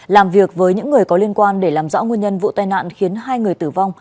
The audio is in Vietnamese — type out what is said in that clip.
làm việc với những người có liên quan để làm rõ nguyên nhân vụ tai nạn khiến hai người tử vong